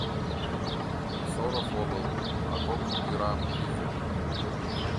«Косоров огыл, а кок тӱран кӱзӧ.